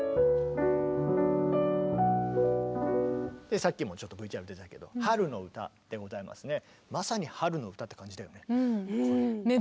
さっきもちょっとＶＴＲに出たけど「春の歌」でございますね。ね？